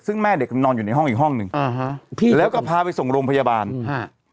ซึ่งแม่เด็กนอนอยู่ในห้องอีกห้องหนึ่งอ่าฮะพี่แล้วก็พาไปส่งโรงพยาบาลฮะ